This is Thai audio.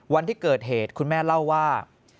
วันที่เกิดเหตุคุณแม่เล่าว่า